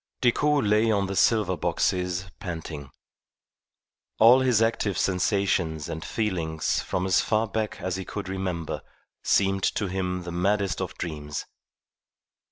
Decoud lay on the silver boxes panting. All his active sensations and feelings from as far back as he could remember seemed to him the maddest of dreams.